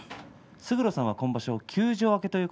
勝呂さんは今場所、休場明け。